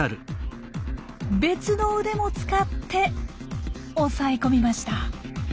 別の腕も使って押さえ込みました。